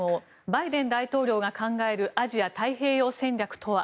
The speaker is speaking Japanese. バイデン大統領が考えるアジア太平洋戦略とは。